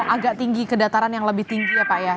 agak tinggi ke dataran yang lebih tinggi ya pak ya